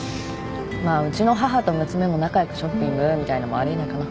まあうちの母と娘も仲良くショッピングみたいのもあり得ないかな。